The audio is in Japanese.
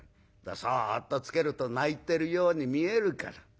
そっとつけると泣いてるように見えるから。